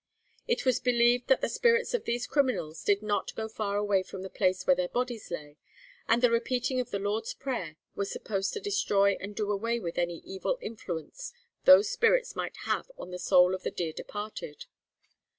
It was believed that the spirits of these criminals did not go far away from the place where their bodies lay, and the repeating of the Lord's Prayer was supposed to destroy and do away with any evil influence these spirits might have on the soul of the dear departed.